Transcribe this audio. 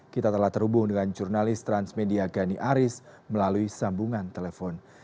kita telah terhubung dengan jurnalis transmedia gani aris melalui sambungan telepon